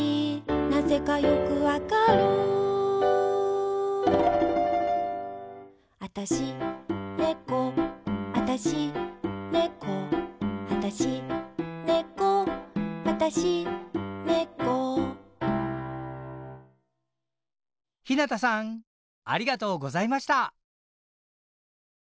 なぜかよくわかるあたし、ねこあたし、ねこあたし、ねこあたし、ねこひなたさんありがとうございました。